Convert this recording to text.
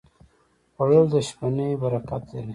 خوړل د شپهنۍ برکت لري